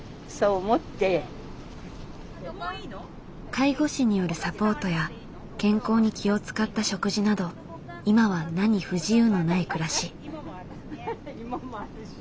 介護士によるサポートや健康に気を遣った食事など今は何不自由のない暮らし。